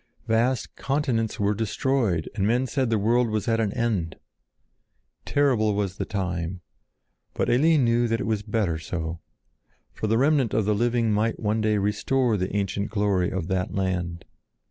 Vast continents were destroyed, and men said the world was at an end. Terrible was the time, but Eline knew that it was better so; for the remnant of the living might one day restore the ancient glory of that land.